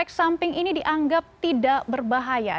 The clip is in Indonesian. efek samping ini dianggap tidak berbahaya